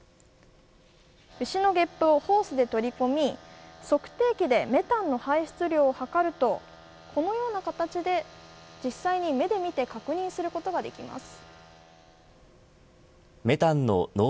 牛のゲップをホースで取り込み測定器でメタンの排出量を測るとこのような形で、実際に目で見て確認することができます。